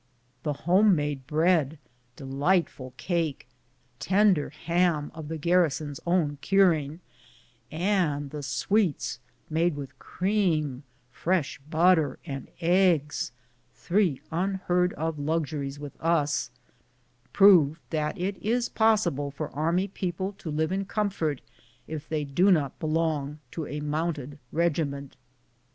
The home made bread, delightful cake, tender ham of the garrison's own curing, and the sweets made with cream, fresh butter, and eggs — three unheard of luxuries with us — proved that it is possible for army people to live in comfort if they do not belong to a mounted regi ment.